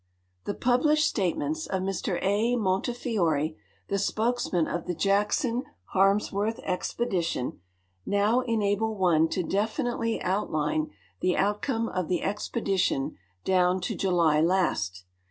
The published statements of Air A. Alontefiore, the spokesman ofthe Jackson IIarmsworth expedition, now enable one to definitely outline tlie outcome of the exi)e<lition down to July last.